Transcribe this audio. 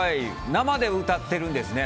生で歌ってるんですね。